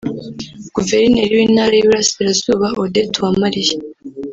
Guverineri w’Intara y’Iburasirazuba Odette Uwamariya